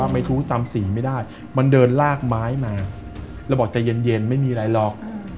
ไม่รู้จำสีไม่ได้มันเดินลากไม้มาแล้วบอกใจเย็นไม่มีอะไรหรอก